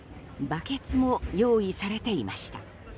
バケツも用意されていました。